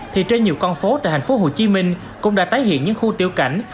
thì trên nhiều con phố tại thành phố hồ chí minh cũng đã tái hiện những khu tiêu cảnh